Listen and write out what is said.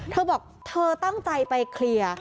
เธอบอกเธอตั้งใจไปเคลียร์